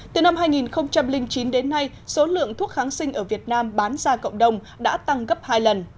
từ năm hai nghìn chín đến nay số lượng thuốc kháng sinh ở việt nam bán ra cộng đồng đã tăng gấp hai lần